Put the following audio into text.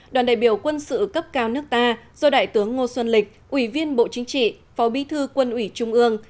đoàn đại biểu quân sự cấp cao nước ta do đại tướng ngô xuân lịch ủy viên bộ chính trị phó bí thư quân ủy trung ương